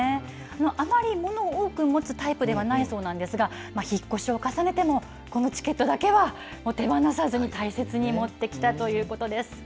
あまり物を多く持つタイプではないそうなんですが、引っ越しを重ねても、このチケットだけは手放さずに大切に持ってきたということです。